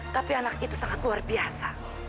tapi anak itu sangat luar biasa